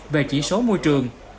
về chỉ số môi trường